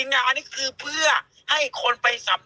ถ้ามันเป็นแบบนี้ไอ้พวกที่ถูกไว้แม่นก็ซื้อรัฐบาล